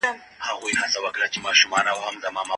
ککړ چاپيريال د ناروغيو لامل کيږي.